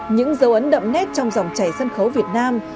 những dấu ấn đậm nét trong dòng chảy sân khấu việt nam